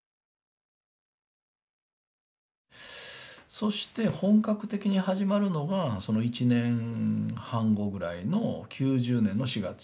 そして本格的に始まるのがその１年半後ぐらいの９０年の４月。